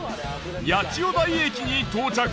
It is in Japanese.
八千代台駅に到着。